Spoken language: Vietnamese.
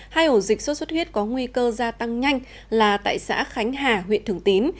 hai ổ dịch sốt xuất huyết có nguy cơ gia tăng nhanh là tại xã khánh hà huyện thường tín